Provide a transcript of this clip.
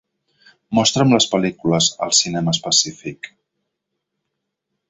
Mostra'm les pel·lícules als cinemes Pacific